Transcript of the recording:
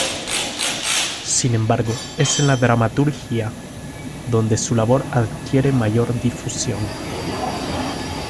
Sin embargo es en la dramaturgia donde su labor adquiere mayor difusión.